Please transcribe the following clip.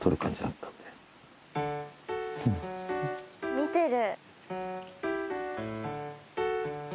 見てる。